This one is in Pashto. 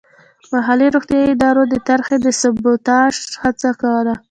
محلي روغتیايي ادارو د طرحې د سبوتاژ هڅه کوله.